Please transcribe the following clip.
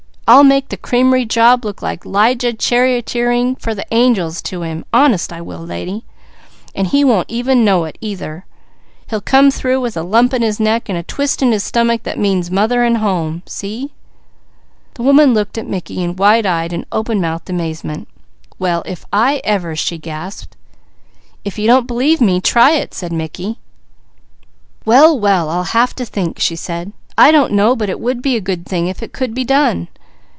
I'll make the creamery job look like 'Lijah charioteering for the angels to him, honest I will lady; and he won't ever know it, either. He'll come through with a lump in his neck, and a twist in his stummick that means home and mother. See?" The woman looked at Mickey in wide eyed and open mouthed amazement: "Well if I ever!" she gasped. "If you don't believe me, try it," said Mickey. "Well! Well! I'll have to think," she said. "I don't know but it would be a good thing if it could be done."